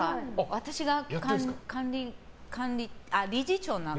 私が理事長なの。